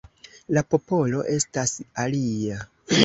La popolo estas alia.